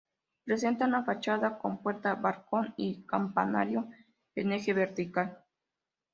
Presenta una fachada, con puerta, balcón y campanario en eje vertical.